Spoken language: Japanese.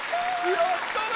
やったね。